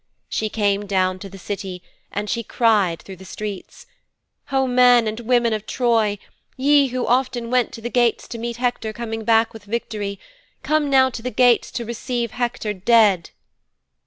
She came down to the City and she cried through the streets, "O men and women of Troy, ye who often went to the gates to meet Hector coming back with victory, come now to the gates to receive Hector dead."'